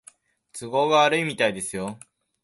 都合が悪いみたいですよ